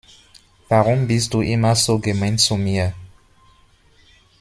Warum bist du immer so gemein zu mir?